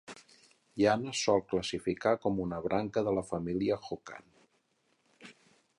Yana es sol classificar com uns branca de la família Hokan.